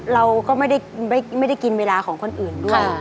เราก็ไม่ได้กินเวลาของคนอื่นด้วย